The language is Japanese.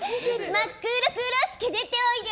まっくろくろすけ出ておいで！